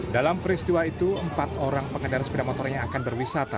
dalam peristiwa itu empat orang pengendara sepeda motor yang akan berwisata